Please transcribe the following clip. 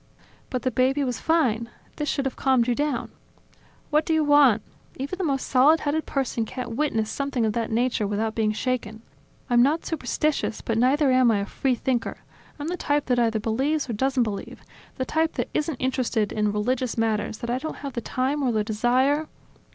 "But the baby was fine. This should have calmed you down." "What do you want? Even the most solid headed person can't witness something of that nature without being shaken. I'm not superstitious, but neither am I a free thinker. I'm the type that either believes or doesn't believe, the type that isn't interested in religious matters that I don't have the time or the desire